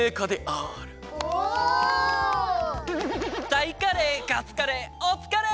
タイカレーカツカレーおつかれ！